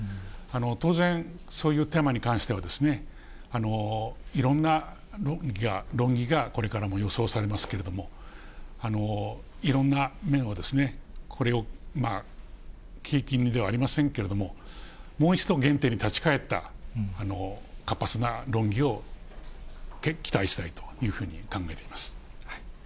当然、そういうテーマに関しては、いろんな論議がこれからも予想されますけれども、いろんな面を、これを契機ではありませんけれども、もう一度原点に立ち返った、活発な論議を期待したいというふうに考えています。